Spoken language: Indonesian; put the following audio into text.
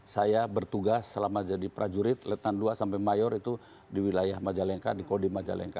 saya bertugas selama jadi prajurit letan dua sampai mayor itu di wilayah manjalengka di kode manjalengka